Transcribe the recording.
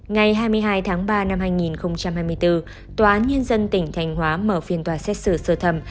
ngày hai mươi hai tháng ba năm hai nghìn hai mươi bốn tòa án nhân dân tỉnh thanh hóa mở phiên tòa xét xử sơ thẩm